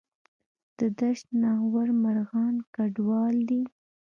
د دشت ناور مرغان کډوال دي